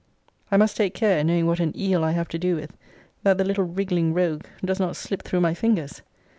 I must take care, knowing what an eel I have to do with, that the little riggling rogue does not slip through my fingers.